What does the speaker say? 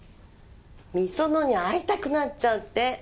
美園に会いたくなっちゃって。